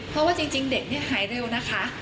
เพราะว่าจริงเด็กนี่หายเร็วนะคะ